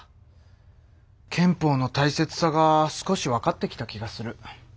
憲法のたいせつさが少しわかってきた気がする。